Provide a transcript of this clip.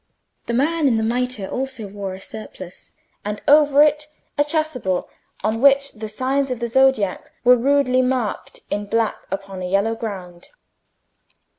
The man in the mitre also wore a surplice, and over it a chasuble on which the signs of the zodiac were rudely marked in black upon a yellow ground.